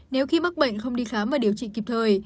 nếu khi mắc bệnh không đi khám và điều trị kịp thời